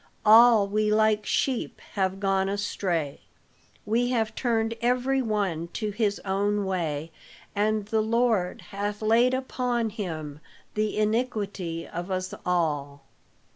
All we like sheep have gone astray; we have turned every one to his own way; and the Lord hath laid upon him the iniquity of us all."